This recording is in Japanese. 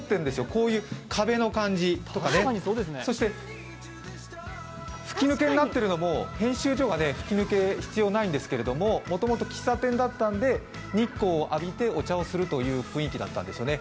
こういう壁の感じとかね、そして吹き抜けになってるのも編集所は吹き抜け、必要ないんですけどもともと喫茶店だったので日光を浴びてお茶をするという雰囲気だったんですよね。